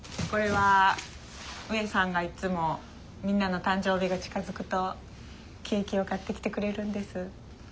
これはウエさんがいっつもみんなの誕生日が近づくとケーキを買ってきてくれるんです。